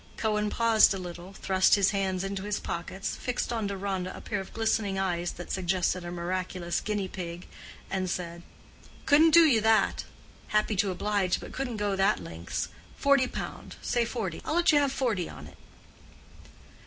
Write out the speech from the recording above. Cohen paused a little, thrust his hands into his pockets, fixed on Deronda a pair of glistening eyes that suggested a miraculous guinea pig, and said, "Couldn't do you that. Happy to oblige, but couldn't go that lengths. Forty pound—say forty—I'll let you have forty on it."